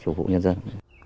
phục vụ nhân dân